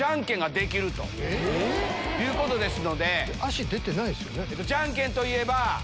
足出てないですよね。